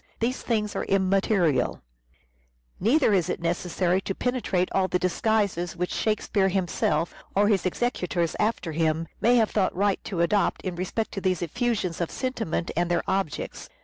These things are immaterial. POETIC SELF REVELATION 453 Neither is it necessary to penetrate all the disguises which " Shakespeare " himself, or his executors after him, may have thought right to adopt in respect to these effusions of sentiment and their objects.